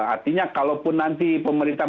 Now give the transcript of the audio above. artinya kalaupun nanti pemerintah